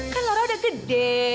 kan laura udah gede